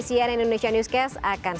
sian indonesia newscast akan